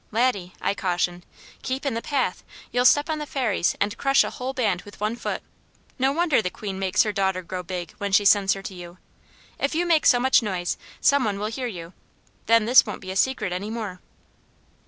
"Laddie!" I cautioned, "keep in the path! You'll step on the Fairies and crush a whole band with one foot. No wonder the Queen makes her daughter grow big when she sends her to you. If you make so much noise, some one will hear you, then this won't be a secret any more."